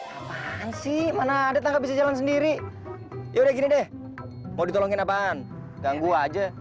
sih mana ada tangga bisa jalan sendiri yaudah gini deh mau ditolongin apaan ganggu aja